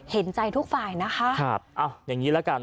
เห็นใจทุกฝ่ายนะคะครับอ้าวอย่างงี้ละกัน